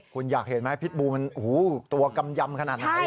คุณอยากเห็นไหมพิษบูมันตัวกำยำขนาดไหน